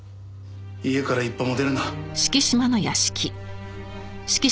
家から一歩も出るな。